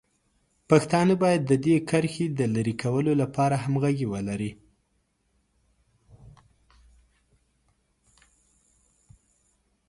پښتانه باید د دې کرښې د لرې کولو لپاره همغږي ولري.